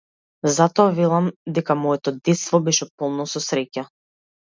Затоа велам дека моето детство беше полно со среќа.